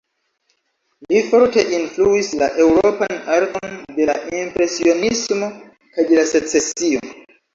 Li forte influis la eŭropan arton de la Impresionismo kaj de la Secesio.